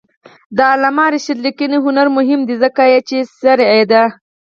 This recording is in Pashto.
د علامه رشاد لیکنی هنر مهم دی ځکه چې صریح دی.